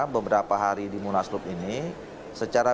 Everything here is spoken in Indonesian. beberapa hari di munaslup ini secara